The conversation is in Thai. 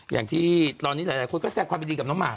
อย่างที่ตอนนี้หลายคนก็แซงความเป็นดีกับน้องหมาก